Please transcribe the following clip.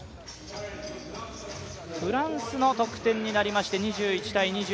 フランスの得点になりまして２１−２０